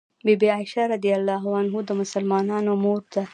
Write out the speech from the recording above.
بي بي عائشه رض د مسلمانانو مور ده